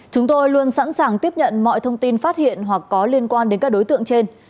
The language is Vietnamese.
chúng tôi luôn sẵn sàng tiếp nhận mọi thông tin phát hiện hoặc có liên quan đến các đối tượng trên